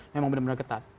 memang benar benar ketat